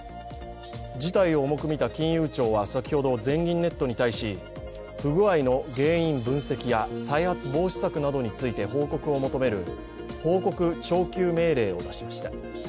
事態を重く見た金融庁は先ほど、全銀ネットに対し不具合の原因分析や再発防止策などについて報告を求める報告徴求命令を出しました。